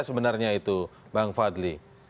sebenarnya itu bang fadli